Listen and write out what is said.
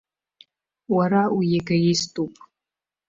Уара уегоиступ.